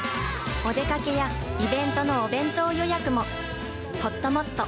お出かけやイベントのお弁当予約も。